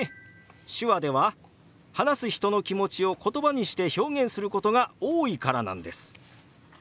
手話では話す人の気持ちを言葉にして表現することが多いからなんです。